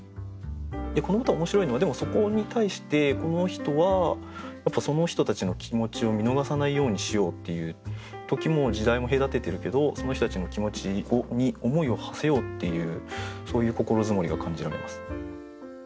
でこの歌面白いのはでもそこに対してこの人はやっぱりその人たちの気持ちを見逃さないようにしようっていう時も時代も隔ててるけどその人たちの気持ちに思いをはせようっていうそういう心積もりが感じられます。